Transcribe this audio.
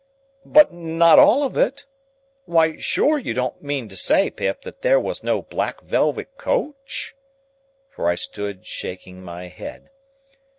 "But not all of it? Why sure you don't mean to say, Pip, that there was no black welwet co—eh?" For, I stood shaking my head.